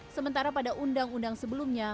sementara pada undang undang sebelumnya